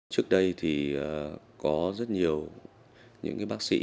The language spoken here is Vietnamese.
trước đây thì có rất nhiều những bác sĩ